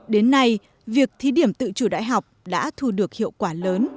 đến nay việc thí điểm tự chủ đại học đã thu được hiệu quả lớn